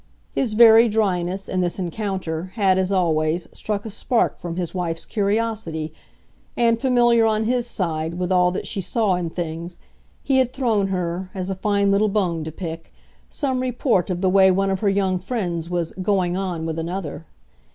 His very dryness, in this encounter, had, as always, struck a spark from his wife's curiosity, and, familiar, on his side, with all that she saw in things, he had thrown her, as a fine little bone to pick, some report of the way one of her young friends was "going on" with another.